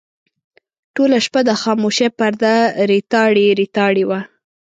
ټوله شپه د خاموشۍ پرده ریتاړې ریتاړې وه.